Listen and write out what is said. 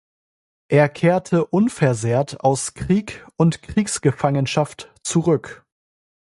Er kehrte unversehrt aus Krieg und Kriegsgefangenschaft zurück.